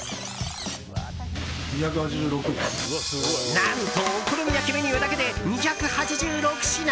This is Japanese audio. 何とお好み焼きメニューだけで２８６品。